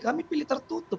kami pilih tertutup